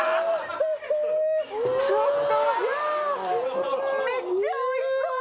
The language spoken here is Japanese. ちょっと待ってめっちゃおいしそう！